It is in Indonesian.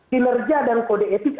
kinerja dan kode etik